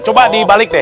coba dibalik deh